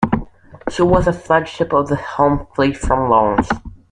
She was the flagship of the Home Fleet from launch.